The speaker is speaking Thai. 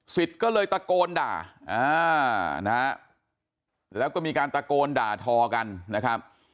ก็เลยตะโกนด่านะฮะแล้วก็มีการตะโกนด่าทอกันนะครับ